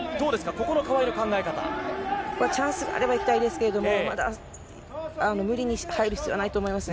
ここはチャンスがあれば、いきたいですけれども、まだ無理に入る必要はないと思いますね。